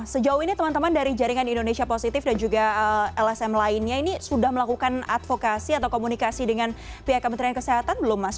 sejauh ini teman teman dari jaringan indonesia positif dan juga lsm lainnya ini sudah melakukan advokasi atau komunikasi dengan pihak kementerian kesehatan belum mas